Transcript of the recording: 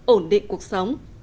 ổn định cuộc sống